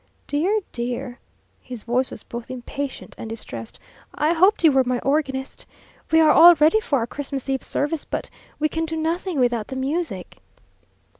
"Dear, dear!" His voice was both impatient and distressed. "I hoped you were my organist. We are all ready for our Christmas eve service, but we can do nothing without the music."